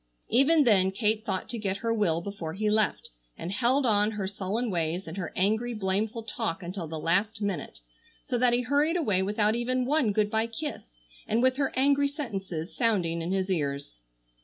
Even then Kate thought to get her will before he left, and held on her sullen ways and her angry, blameful talk until the last minute, so that he hurried away without even one good bye kiss, and with her angry sentences sounding in his ears.